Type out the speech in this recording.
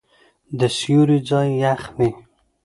د سیوري ځای یخ وي.